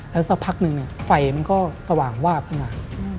แล้วสักพักนึงไฟมันก็สว่างวาบขึ้นมา